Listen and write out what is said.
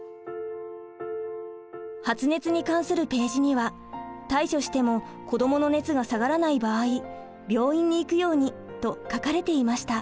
発熱に関するページには対処しても子どもの熱が下がらない場合病院に行くようにと書かれていました。